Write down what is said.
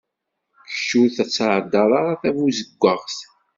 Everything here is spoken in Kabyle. Kečč ur tsɛeddaḍ ara tabuzeggaɣt.